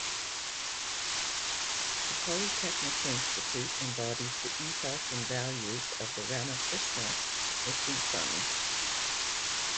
The Polytechnic institute embodies the ethos and values of the Ramakrishna Misison.